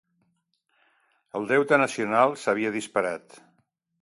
El deute nacional s'havia disparat.